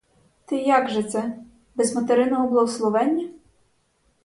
Ти як же це, без материного благословення?